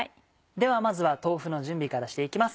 ではまずは豆腐の準備からして行きます。